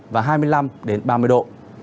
và hai mươi năm ba mươi độ